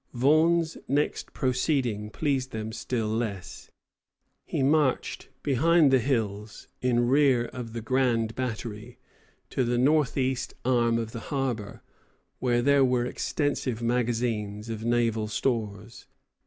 Vaughan's next proceeding pleased them still less. He marched behind the hills, in rear of the Grand Battery, to the northeast arm of the harbor, where there were extensive magazines of naval stores.